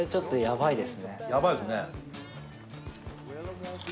やばいですね。